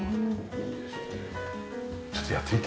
ちょっとやってみて。